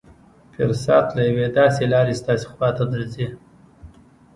فرصت له يوې داسې لارې ستاسې خوا ته درځي.